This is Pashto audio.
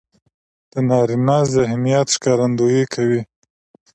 د نارينه ذهنيت ښکارندويي کوي.